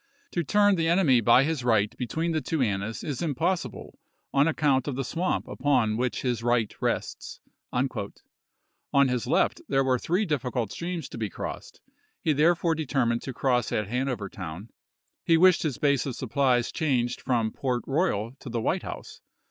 To tui n the enemy by his right between the two Annas is im possible on account of the swamp upon which his right rests." On his left there were three difficult streams to be crossed ; he therefore determined to cross at Hanover Town; he wished his base of supplies changed from Port Royal to the White House.